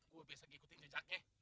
gue bisa ngikutin jejaknya